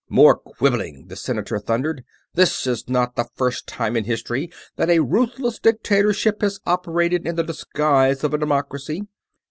"More quibbling!" the Senator thundered. "This is not the first time in history that a ruthless dictatorship has operated in the disguise of a democracy.